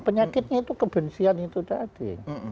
penyakitnya itu kebencian itu tadi